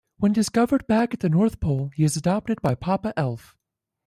When discovered back at the North Pole, he is adopted by Papa Elf.